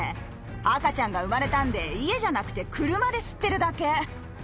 赤ちゃんが産まれたんで、家じゃなくて車で吸ってるだけ。